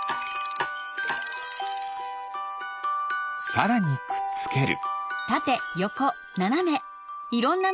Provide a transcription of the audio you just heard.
さらにくっつける。